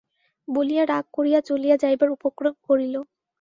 বলিয়া রাগ করিয়া চলিয়া যাইবার উপক্রম করিল।